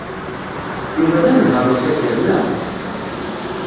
Yuba d anehhaṛ n usakal, neɣ?